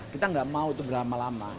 kita nggak mau itu berlama lama